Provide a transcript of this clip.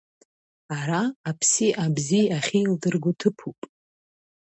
Ара, аԥси абзеи ахьеилдырго ҭыԥуп!